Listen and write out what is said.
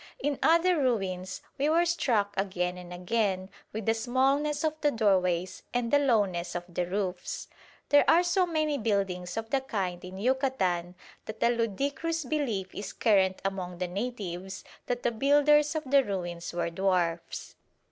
In other ruins we were struck again and again with the smallness of the doorways and the lowness of the roofs. There are so many buildings of the kind in Yucatan that a ludicrous belief is current among the natives that the builders of the ruins were dwarfs.